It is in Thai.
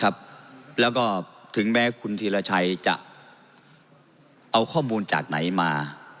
แล้วก็ถึงแม้คุณธีรชัยจะเอาข้อมูลจากไหนมา